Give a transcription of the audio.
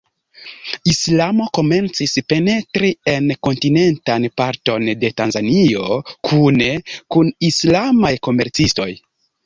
Islamo komencis penetri en la kontinentan parton de Tanzanio kune kun islamaj komercistoj.